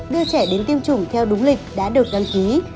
đưa trẻ đến tiêm chủng theo đúng lịch đã được đăng ký